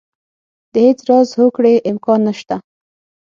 د هېڅ راز هوکړې امکان نه شته.